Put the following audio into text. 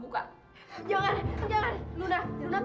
tidak mungkin bu